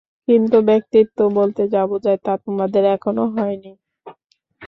কিন্তু ব্যক্তিত্ব বলতে যা বুঝায়, তা তোমাদের এখনও হয়নি।